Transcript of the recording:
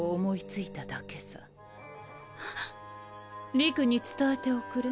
理玖に伝えておくれ。